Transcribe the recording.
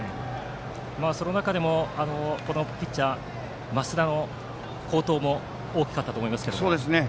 その中でもピッチャー増田の好投も大きかったと思いますが。